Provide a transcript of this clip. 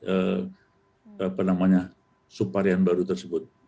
apa namanya subvarian baru tersebut